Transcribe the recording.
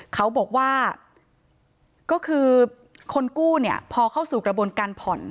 เขาบอกว่าก็คือคนกู้เนี่ยพอเข้าสู่กระบวนการผ่อน